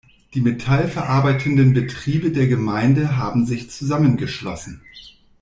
Die Metall verarbeitenden Betriebe der Gemeinde haben sich zusammengeschlossen.